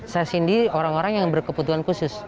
saya sendiri orang orang yang berkebutuhan khusus